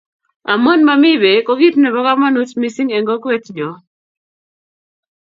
amun mami bek ko kit nebo kamangut mising eng kokwet nyon